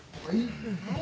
はい。